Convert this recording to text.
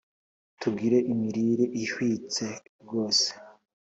Tugire imirire ihwitse rwose